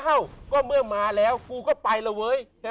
เอ้าก็เมื่อมาแล้วกูก็ไปแล้วเว้ย